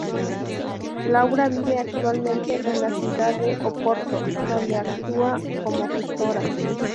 Laura vive actualmente en la ciudad de Oporto, donde actúa como gestora.